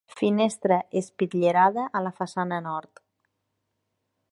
Finestra espitllerada a la façana nord.